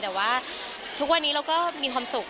แต่ว่าทุกวันนี้เราก็มีความสุข